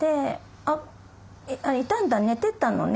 「いたんだ寝てたのね」